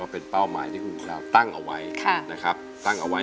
เป็นเป้าหมายที่เป็นเราตั้งเอาไว้